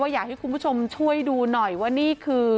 อยากให้คุณผู้ชมช่วยดูหน่อยว่านี่คือ